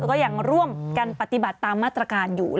ก็ยังร่วมกันปฏิบัติตามมาตรการอยู่